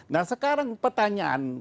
nah sekarang pertanyaan